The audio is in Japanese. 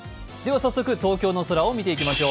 早速東京の空を見ていきましょう。